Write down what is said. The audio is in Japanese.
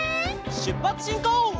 しゅっぱつしんこう！